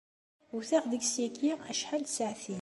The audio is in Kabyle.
Wteɣ deg-s yagi acḥal n tsaɛtin.